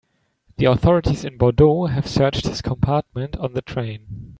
The authorities in Bordeaux have searched his compartment on the train.